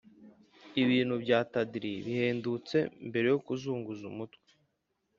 ibintu bya tawdry bihendutse, mbere yo kuzunguza umutwe